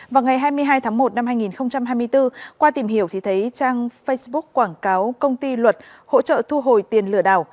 vào ngày hai mươi hai tháng một năm hai nghìn hai mươi bốn qua tìm hiểu thì thấy trang facebook quảng cáo công ty luật hỗ trợ thu hồi tiền lừa đảo